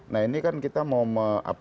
nah ini kan kita mau